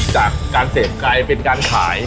จากการเสพไกลเป็นการขาย